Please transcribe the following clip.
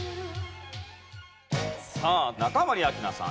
さあ中森明菜さん